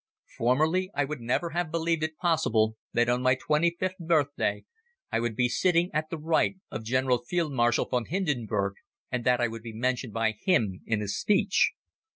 Formerly I would never have believed it possible that on my twenty fifth birthday I would be sitting at the right of General Field Marshal von Hindenburg and that I would be mentioned by him in a speech.